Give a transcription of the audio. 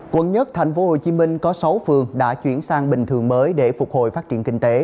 quận một tp hcm có sáu phường đã chuyển sang bình thường mới để phục hồi phát triển kinh tế